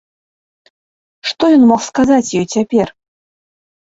Што ён мог сказаць ёй цяпер?